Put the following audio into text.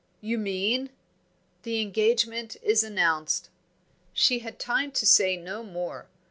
"You mean " "The engagement is announced." She had time to say no more.